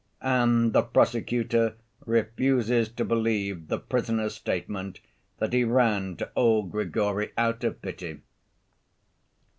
And the prosecutor refuses to believe the prisoner's statement that he ran to old Grigory out of pity.